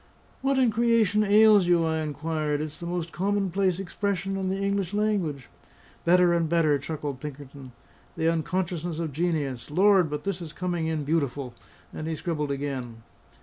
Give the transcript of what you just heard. "What in creation ails you?" I inquired. "It's the most commonplace expression in the English language." "Better and better!" chuckled Pinkerton. "The unconsciousness of genius. Lord, but this is coming in beautiful!" and he scribbled again.